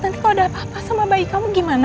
nanti kalau ada apa apa sama bayi kamu gimana